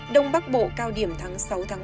đông bắc bộ cao điểm tháng sáu bảy